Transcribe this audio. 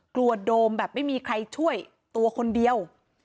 โดมแบบไม่มีใครช่วยตัวคนเดียว